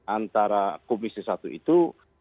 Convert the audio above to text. antara komisi satu itu